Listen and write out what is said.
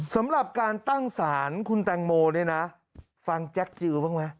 สำหรับการตั้งศาลคุณแตงโมเนี่ยนะฟังแจ็คจิลบ้างไหม